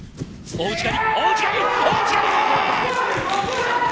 大内刈！